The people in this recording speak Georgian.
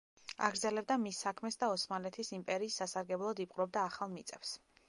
აგრძელებდა მის საქმეს და ოსმალეთის იმპერიის სასარგებლოდ იპყრობდა ახალ მიწებს.